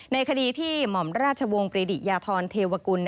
ในคดีที่หม่อมราชวงศ์ปริดิยาธรเทวกุล